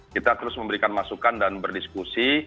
kita terus memberikan masukan dan berdiskusi